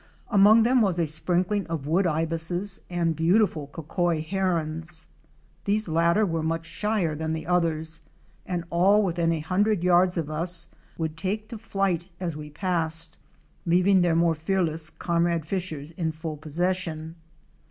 Among them was a sprinkling of Wood Ibises * and beautiful Cocoi Herons. These latter were much shyer than the others and all within a hundred yards of us would take to flight as we passed, leaving their more fearless comrade fishers in full possession.